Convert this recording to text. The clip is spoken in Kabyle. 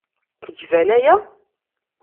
Gzan aya?